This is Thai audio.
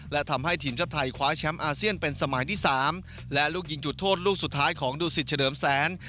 และทำให้ทีมชาติไทยคว้าแชมป์อาเซียนเป็นสมัยที่๓และลูกยิงจุดโทษลูกสุดท้ายของดูสิตเฉลิมแสน